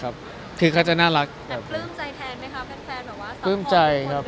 แต่เผื่อมใจแทนไหมคะแฟนแบบว่าสังคมทุกคนเดินเผื่อมใจครับ